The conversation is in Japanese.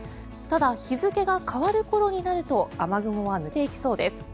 ただ日付が変わるころになると雨雲は抜けていきそうです。